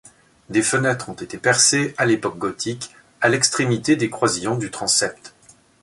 Des fenêtres ont été percées à l'époque gothique à l'extrémité des croisillons du transept.